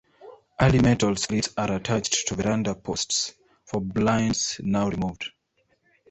Early metal cleats are attached to verandah posts (for blinds now removed).